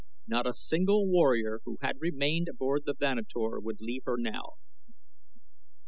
Not a single warrior who had remained aboard the Vanator would leave her now.